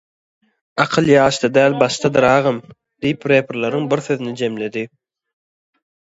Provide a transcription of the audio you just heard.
"Akyl ýaşda däl başdadyr agam" diýip reprleriñ biri sözüni jemledi."